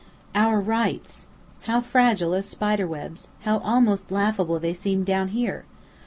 Our "rights!" How fragile as spider webs, how almost laughable they seemed down here!